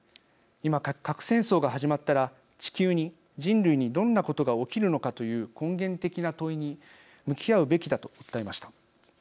今、核戦争が始まったら地球に、人類にどんなことが起きるのかという根源的な問いに向き合うべきだと訴えました。